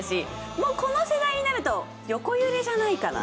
もうこの世代になると横揺れじゃないかな。